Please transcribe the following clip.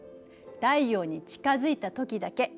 太陽に近づいたときだけ。